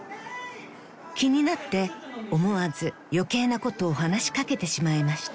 ［気になって思わず余計なことを話し掛けてしまいました］